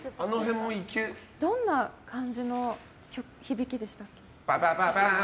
どんな感じの響きでしたっけ？